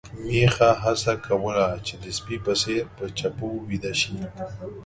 میښه هڅه کوله چې د سپي په څېر په چپو ويده شي.